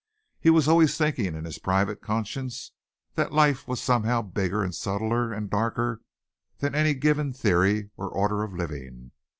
He was always thinking in his private conscience that life was somehow bigger and subtler and darker than any given theory or order of living.